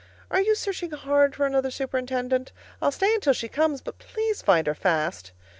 Are you searching hard for another superintendent? I'll stay until she comes, but please find her fast.